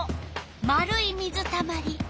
丸い水たまり。